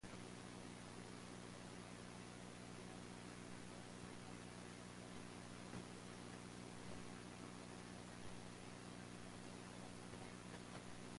"Rookwood" garnered wide critical and financial success, and pleased his associates at "Fraser's Magazine".